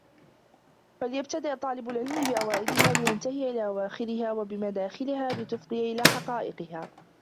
فَلْيَبْتَدِئْ طَالِبُ الْعِلْمِ بِأَوَائِلِهَا لِيَنْتَهِيَ إلَى أَوَاخِرِهَا ، وَبِمَدَاخِلِهَا لِتُفْضِيَ إلَى حَقَائِقِهَا